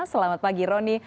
selamat pagi roni